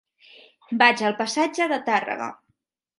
Vaig al passatge de Tàrrega.